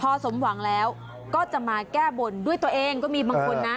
พอสมหวังแล้วก็จะมาแก้บนด้วยตัวเองก็มีบางคนนะ